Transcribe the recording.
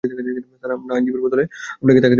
Sir, আমরা আইনজীবীর বদলে আপনাকে টাকা দিয়ে দিই।